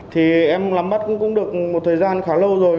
thì em lắm bắt cũng được một thời gian khá lâu rồi